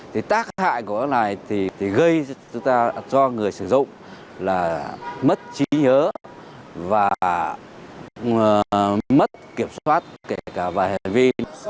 thì tác hại của nó này thì gây cho người sử dụng là mất trí nhớ và mất kiểm soát kể cả vài hệ vi